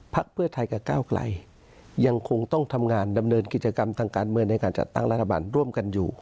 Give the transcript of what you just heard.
เพื่อไทยกับก้าวไกลยังคงต้องทำงานดำเนินกิจกรรมทางการเมืองในการจัดตั้งรัฐบาลร่วมกันอยู่